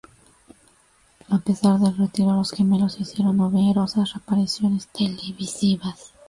A pesar del retiro, los gemelos hicieron numerosas apariciones televisivas.